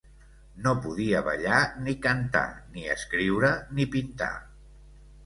No podia ballar ni cantar, ni escriure ni pintar.